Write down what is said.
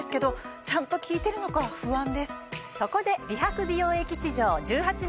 そこで。